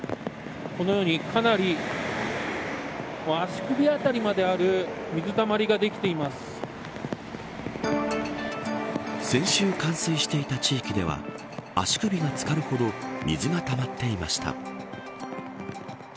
このように、かなり足首あたりまである先週冠水していた地域では足首が漬かるほど水がたまっていました。